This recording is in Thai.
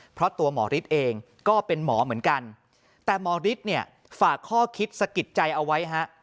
เพราะตัวหมอฤทธิ์เองก็เป็นหมอเหมือนกันแต่หมอฤทธิ์เนี่ยฝากข้อคิดสะกิดใจเอาไว้ฮะ